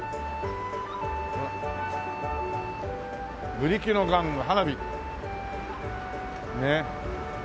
「ブリキの玩具」「花火」ねえ。